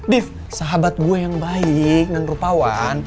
deef sahabat gue yang baik dan rupawan